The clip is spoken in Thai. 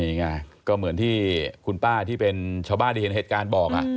นี่ไงก็เหมือนที่คุณป้าที่เป็นชาวบ้านที่เห็นเหตุการณ์บอก